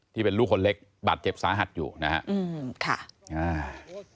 ที่เป็นลูกคนเล็กบาดเจ็บสาหัสอยู่นะครับ